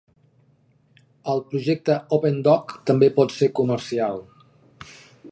El projecte OpenDoc també pot ser comercial.